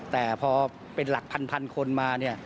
แต่พอเป็นหลักพันคนมา